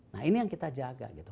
nah ini yang kita jaga gitu